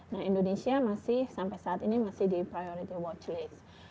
nah indonesia masih sampai saat ini masih di priority watch list